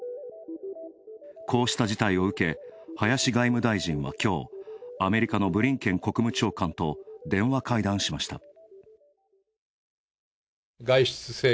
こうした事態を受け、林外務大臣は、きょうアメリカのブリンケン国務長官と電話会談しました。